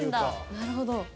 なるほど。